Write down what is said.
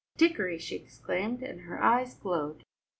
"Dickory!" she exclaimed, and her eyes glowed.